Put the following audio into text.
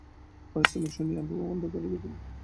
পারিশ্রমিক শুনিয়া অপু অন্ধকার দেখিল।